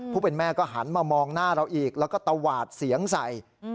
เป็นแม่ก็หันมามองหน้าเราอีกแล้วก็ตวาดเสียงใส่